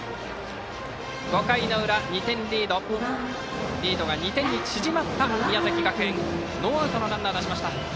５回の裏２点にリードが縮まった宮崎学園がノーアウトのランナーを出しました。